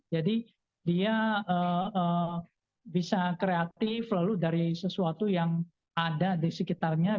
jadi dia bisa kreatif lalu dari sesuatu yang ada di sekitarnya